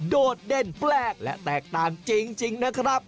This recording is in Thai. โดดเด่นแปลกและแตกต่างจริงนะครับ